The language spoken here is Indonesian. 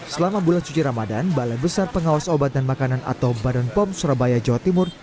selama bulan suci ramadan balai besar pengawas obat dan makanan atau badan pom surabaya jawa timur